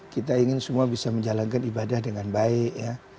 kita ingin semua bisa menjalankan ibadah dengan baik ya